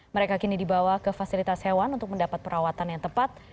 mereka kini dibawa ke fasilitas hewan untuk mendapat perawatan yang tepat